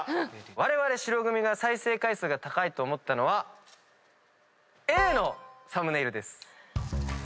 われわれ白組が再生回数が高いと思ったのはＡのサムネイルです。